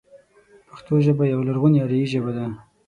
پښتو ژبه يوه لرغونې اريايي ژبه ده.